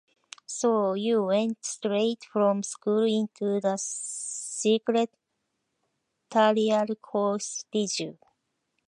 So you went straight from school into a secretarial course, did you?